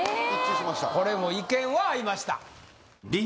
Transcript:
これも意見は合いました